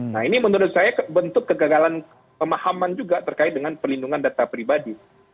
nah ini menurut saya bentuk kegagalan pemahaman juga terkait dengan perlindungan data pribadi